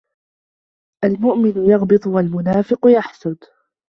الْمُؤْمِنُ يَغْبِطُ وَالْمُنَافِقُ يَحْسُدُ